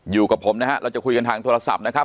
อยู่กับผมนะฮะเราจะคุยกันทางโทรศัพท์นะครับ